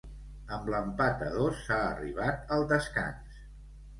Amb l'empat a dos s'ha arribat al descans.